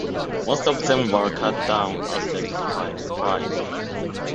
Most of them were cut down as they fled.